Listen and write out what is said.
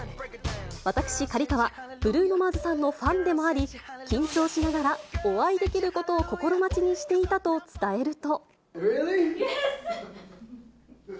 私、刈川、ブルーノ・マーズさんのファンでもあり、緊張しながらお会いできることを心待ちにしていたと伝えると。